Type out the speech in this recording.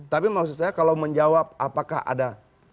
tapi kalau menjawab apakah ada